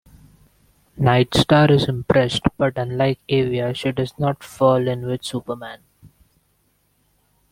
Nightstar is impressed but, unlike Avia, she does not fall in with Superman.